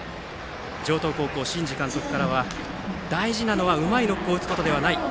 城東高校、新治監督からは大事なのはうまいノックを打つことではない。